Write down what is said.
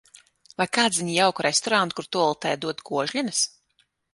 Vai kāds zina jauku restorānu kur, tualetē dod košļenes?